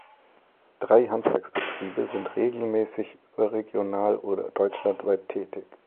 Drei Handwerksbetriebe sind regelmäßig überregional oder deutschlandweit tätig.